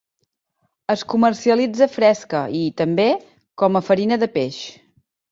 Es comercialitza fresca i, també, com a farina de peix.